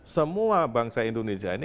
semua bangsa indonesia ini